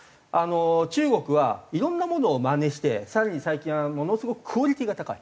中国はいろんなものをまねして更に最近はものすごくクオリティーが高い。